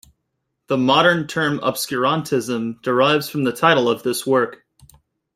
The modern term obscurantism derives from the title of this work.